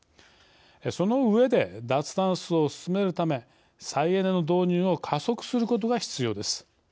その上で脱炭素を進めるため再エネの導入を加速することが必要です。